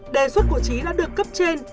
đề xuất của chí đã được cấp trên